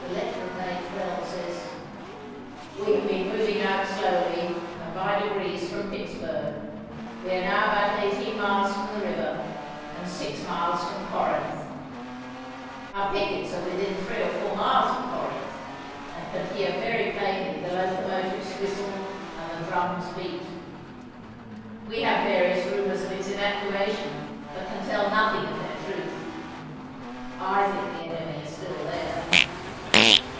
The letter of May 12 says: "We have been moving out slowly and by degrees from Pittsburg. We are now about eighteen miles from the river, and six miles from Corinth. Our pickets are within three or four miles of Corinth, and can hear very plainly the locomotives whistle and the drums beat. We have various rumors of its evacuation, but can tell nothing of their truth. I think the enemy are still there.